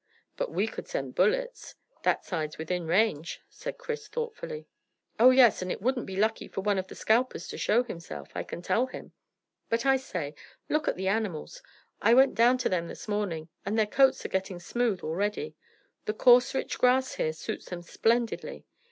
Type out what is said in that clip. "But we could send bullets. That side's within range," said Chris thoughtfully. "Oh yes, and it wouldn't be lucky for one of the scalpers to show himself, I can tell him; but I say, look at the animals. I went down to them this morning, and their coats are getting smooth already. The coarse rich grass here suits them splendidly.